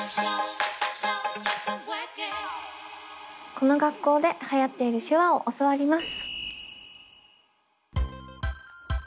この学校ではやっている手話を教わります。